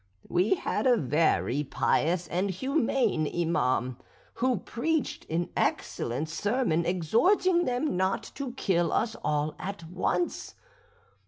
"We had a very pious and humane Iman, who preached an excellent sermon, exhorting them not to kill us all at once.